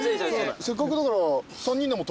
せっかくだから。